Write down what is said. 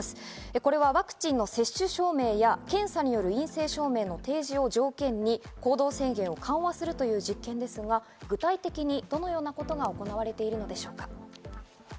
これはワクチンの接種証明や検査による陰性証明の提示を条件に行動制限を緩和するという実験ですが具体的にどのようなことが行われているのでしょうか。